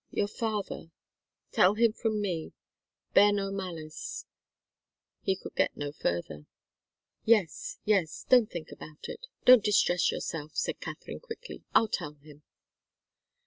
"Your father tell him from me bear no malice " He could get no further. "Yes yes don't think about it don't distress yourself," said Katharine, quickly. "I'll tell him."